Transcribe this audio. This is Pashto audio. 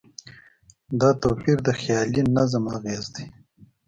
دا توپیر د خیالي نظم اغېز دی.